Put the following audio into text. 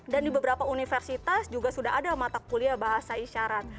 dan di beberapa universitas juga sudah ada mata kuliah bahasa isyarat